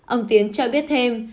ông tiến cho biết thêm